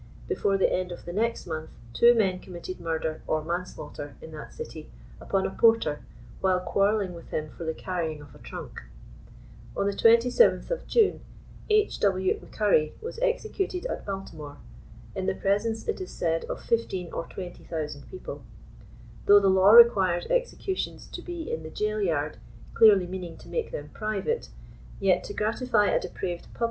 Before the end of the next month, two men committed murder or manslaughter in that city, upon a porter, while quarreling with him for the carrying of a trunk. On the •27th of June, H, W, M'Curry was executed at Balti more, in the presence, it is said, of 15 or 20,000 people. Though the law requires executions to be in the jail yard, clearly meaning to make them private, yet to gratify a depraved public •By one Jabez Boyd.